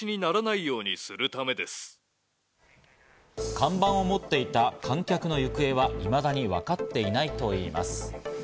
看板を持っていた観客の行方はいまだに分かっていないといいます。